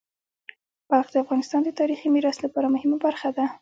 بلخ د افغانستان د تاریخی میراث لپاره مهمه برخه ده.